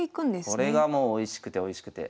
これがもうおいしくておいしくて。